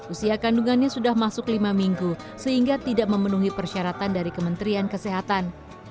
usia kandungannya sudah masuk lima minggu sehingga tidak memenuhi persyaratan dari kementerian kesehatan